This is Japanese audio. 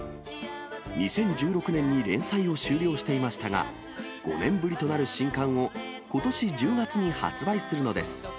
２０１６年に連載を終了していましたが、５年ぶりとなる新刊をことし１０月に発売するのです。